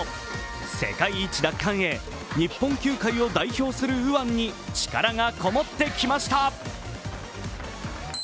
世界一奪還へ日本球界を代表する右腕に力がこもってきました。